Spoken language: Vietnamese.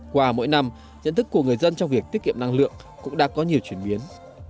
qua mỗi năm nhận thức của người dân trong việc tiết kiệm năng lượng cũng đã có nhiều chuyển biến